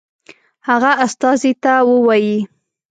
هغه استازي ته ووايي.